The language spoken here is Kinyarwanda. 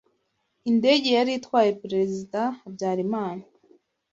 Indege yari itwaye Perezida Habyarimana